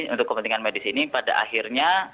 untuk kepentingan medis ini pada akhirnya